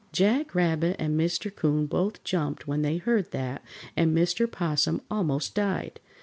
] Jack Rabbit and Mr. 'Coon both jumped when they heard that, and Mr. 'Possum almost died.